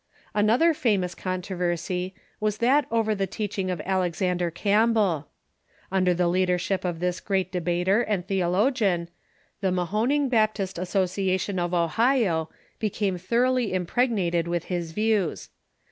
Another famous controversy was that over the teaching of Alexander Campbell. Under the leadershij) of this great de bater and theologian, the Mahoning Baptist Association of Ohio became thoroughly impregnated with his views.